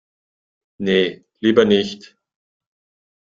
Nee, lieber nicht.